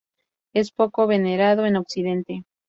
Es poco venerado en Occidente.